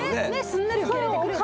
すんなり受け入れてくれて。